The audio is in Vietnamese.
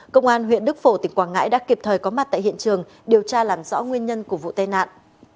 công an huyện đức phổ tỉnh quảng ngãi đã kịp thời có mặt tại hiện trường điều tra làm rõ nguyên nhân của vụ tai nạn